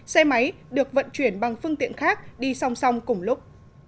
xe máy được vận chuyển bằng phương tiện khác đi song song cùng lúc